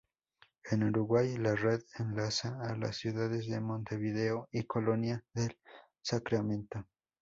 En Uruguay la red enlaza a las ciudades de Montevideo y Colonia del Sacramento.